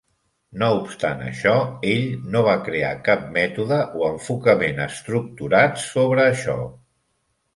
No obstant això, ell no va crear cap mètode o enfocament estructurat sobre això.